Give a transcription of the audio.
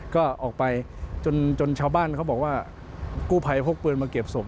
ก็ออกไปจนจนชาวบ้านเขาบอกว่ากู้ภัยพกปืนมาเก็บศพ